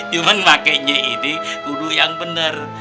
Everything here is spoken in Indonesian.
cuman makanya ini kudu yang benar